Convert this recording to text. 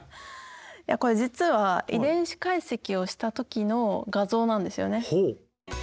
これ実は遺伝子解析をした時の画像なんですよね。